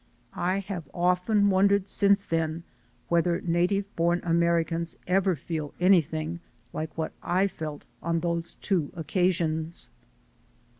I have often wondered since then whether native born Americans ever feel anything like what I felt on those two occasions.